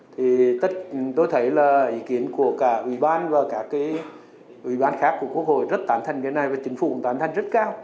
thì tôi thấy là ý kiến của cả ủy ban và các cái ủy ban khác của quốc hội rất tán thành cái này và chính phủ cũng tán thành rất cao